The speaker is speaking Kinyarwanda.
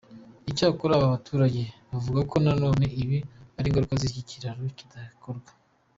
Cyakora aba baturage bavuga ko nanone ibi ari ingaruka z’iki kiraro kidakorwa.